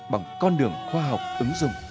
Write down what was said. bằng con đường khoa học ứng dụng